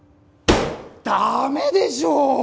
ダメでしょう！